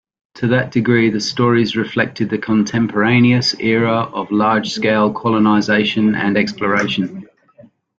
To that degree, the stories reflected the contemporaneous era of large-scale colonization and exploration.